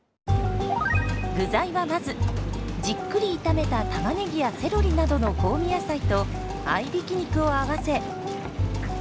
具材はまずじっくり炒めたタマネギやセロリなどの香味野菜と合いびき肉を合わせ。